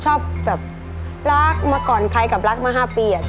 ชอบแบบรักมาก่อนใครกับรักมา๕ปี